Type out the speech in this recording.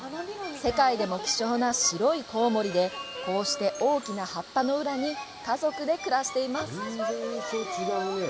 世界でも希少な白いコウモリでこうして大きな葉っぱの裏に家族で暮らしています。